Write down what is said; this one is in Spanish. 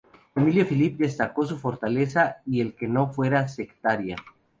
Emilio Filippi destacó su fortaleza y el que no fuera sectaria.